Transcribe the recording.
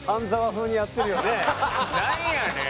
風にやってるよね。